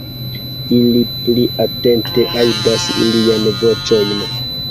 Ili pli atente aŭdas iliajn voĉojn.